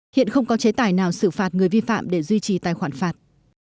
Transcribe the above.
hiện không có chế tài nào xử phạt người vi phạm để duy trì tài khoản phạt